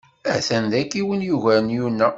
A-t-an dagi win yugaren Yuna.